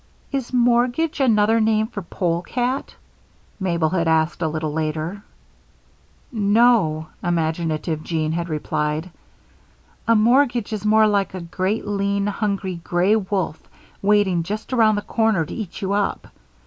"Is mortgage another name for polecat?" Mabel had asked a little later. "No," imaginative Jean had replied. "A mortgage is more like a great, lean, hungry, gray wolf waiting just around the corner to eat you up.